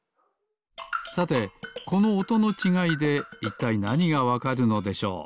さてこのおとのちがいでいったいなにがわかるのでしょう？